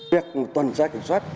việc tuần trai kiểm soát